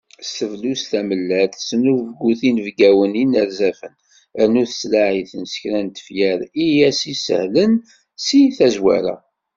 S tebluzt d tamellalt, tesnubgut inebgawen d yinerzafen, rnu tettlaεi-ten s kra n tefyar i as-sihlen si tazwara.